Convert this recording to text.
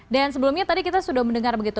dan sebelumnya tadi kita sudah mendengar begitu